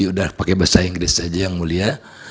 sudah pakai bahasa inggris saja yang mulia